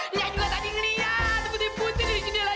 dia juga tadi ngelihat putih putih di jendela nyari